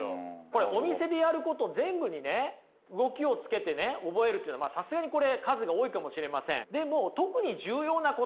これお店でやること全部にね動きをつけてね覚えるというのはまあさすがにこれ数が多いかもしれません。